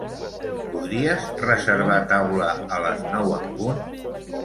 Podries reservar taula a les nou en punt?